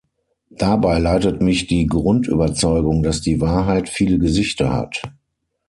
Dabei leitet mich die Grundüberzeugung, dass die Wahrheit viele Gesichter hat.